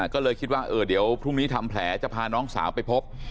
ก็เลยคิดว่าเดี๋ยวพรุ่งนี้ทำแผลจะพาน้องสาวไปพบ